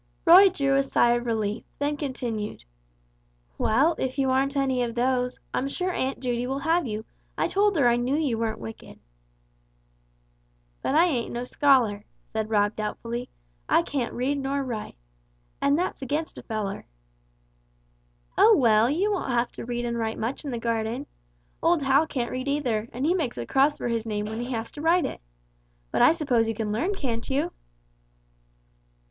Roy drew a sigh of relief, then continued: "Well, if you aren't any of those, I'm sure Aunt Judy will have you, I told her I knew you weren't wicked." "But I ain't no scholar," said Rob, doubtfully; "I can't write nor read, and that's against a feller!" "Oh, well, you won't have to read and write much in the garden. Old Hal can't read either, and he makes a cross for his name when he has to write it. But I suppose you can learn, can't you?"